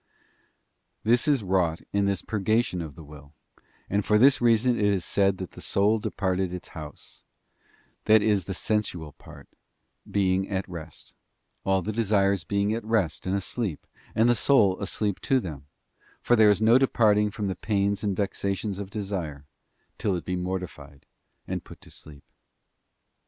This is wrought in this purgation of the will, and for this reason is it said that the soul departed, its P house, that is the sensual part, being at rest — all the desires being at rest and asleep, and the soul asleep to them; for there is no departing from the pains and vexations of desire till it be mortified and put to sleep.